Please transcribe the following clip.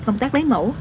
công tác đáy mẫu